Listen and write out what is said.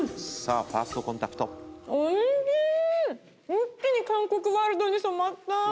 一気に韓国ワールドに染まった。